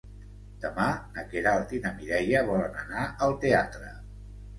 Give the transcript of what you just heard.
Demà na Queralt i na Mireia volen anar al teatre.